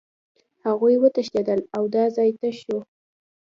هغوی وتښتېدل او دا ځای تش شو